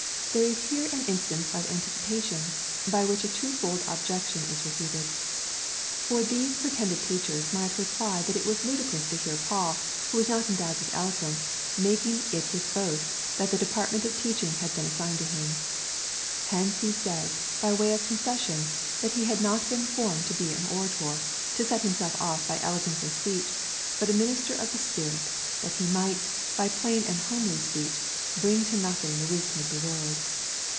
There is here an instance of anticipation, by which a twofold objection is refuted. For these pretended teachers might reply that it was ludicrous to hear Paul, who was not endowed with eloquence, making it his boast that the department of teaching had been as signed to him. Hence he says, by way of concession, that he had not been formed to be an orator,^ to set himself oif by elegance of speech, but a minister of the Spirit, that he might, by plain and homely speech, bring to nothing the wisdom of the world.